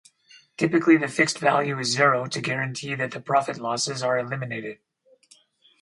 Typically, the fixed value is zero to guarantee that the profit losses are eliminated.